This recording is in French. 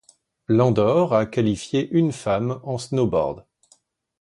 L'Andorre a qualifié une femme en snowboard.